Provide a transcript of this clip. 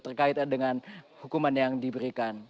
terkait dengan hukuman yang diberikan